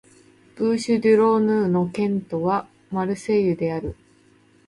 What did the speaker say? ブーシュ＝デュ＝ローヌ県の県都はマルセイユである